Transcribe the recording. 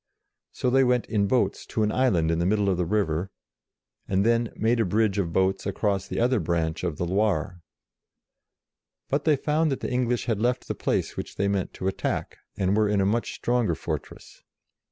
So they went in boats to an island in the middle of the river, and then SAVES ORLEANS 41 made a bridge of boats across the other branch of the Loire. But they found that the English had left the place which they meant to attack, and were in a much stronger fortress.